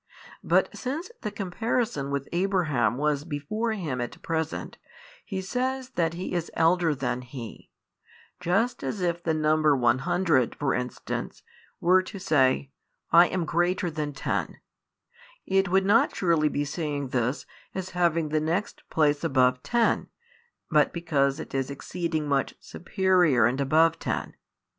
But since the comparison with Abraham was before Him at present, He says that He is elder than he; just as if the number 100, for instance, were to say, I am greater than 10: it would not surely be saying this, as having the next place above ten, but because it is exceeding much superior and above ten.